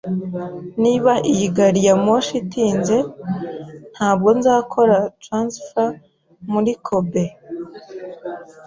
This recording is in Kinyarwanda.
Niba iyi gari ya moshi itinze, ntabwo nzakora transfert muri Kobe.